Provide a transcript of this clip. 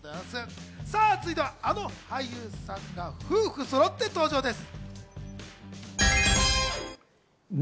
続いてはあの俳優さんが夫婦そろって登場です。